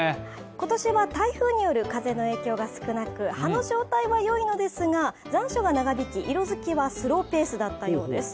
今年は台風による風の影響が少なく、葉の状態はよいのですが、残暑が長引き、色づきはスローペースだったようです。